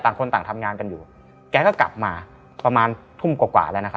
ต่างคนต่างทำงานกันอยู่แกก็กลับมาประมาณทุ่มกว่ากว่าแล้วนะคะ